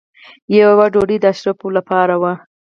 یوه ډوډۍ د اشرافو لپاره وه.